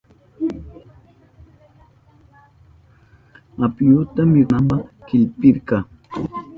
Apiyuta mikunanpa chillpirka.